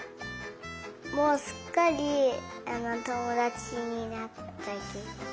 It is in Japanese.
もうすっかりともだちになった。